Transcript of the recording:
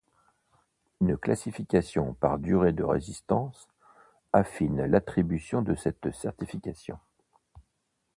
Une classification par durée de résistance affine l'attribution de cette certification.